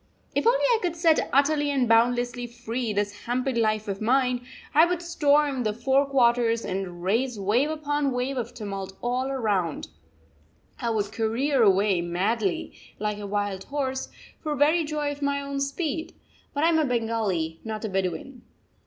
If only I could set utterly and boundlessly free this hampered life of mine, I would storm the four quarters and raise wave upon wave of tumult all round; I would career away madly, like a wild horse, for very joy of my own speed! But I am a Bengali, not a Bedouin!